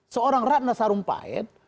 seorang ratna sarumpahit